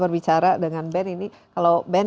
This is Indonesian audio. berbicara dengan ben ini kalau ben